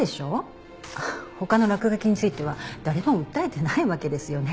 他の落書きについては誰も訴えてないわけですよね？